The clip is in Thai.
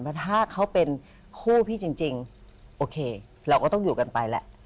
เพราะถ้าเขาเป็นคู่พี่จริงโอเคเราก็ต้องอยู่กันไปแหละ